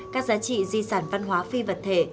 các giá trị di sản văn hóa phi vật thể